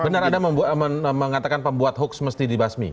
benar ada mengatakan pembuat hoaks mesti dibahas ini